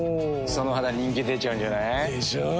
その肌人気出ちゃうんじゃない？でしょう。